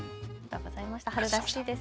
春らしいです。